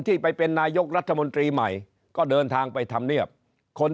ที่ไปเป็นนายกรัฐมนตรีใหม่ก็เดินทางไปทำเนียบคน